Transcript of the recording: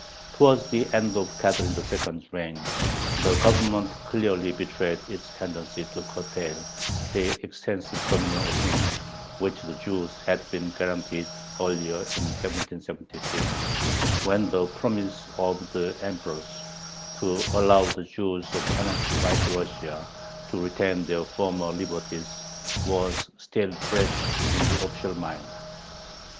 Towards the end of Catherine II.'s reign the Government clearly betrayed its tendency to curtail the extensive communal autonomy which the Jews had been guaranteed earlier, in 1776, when the promise of the Empress, to allow the Jews of annexed White Russia "to retain their former liberties," was still fresh in the official mind.